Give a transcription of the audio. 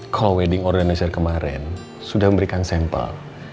call wedding organizer kemarin sudah memberikan sampel